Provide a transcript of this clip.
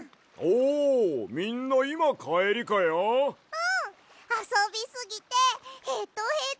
うん！あそびすぎてヘトヘト。